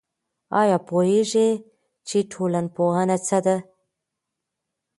آيا پوهېږئ چي ټولنپوهنه څه ده؟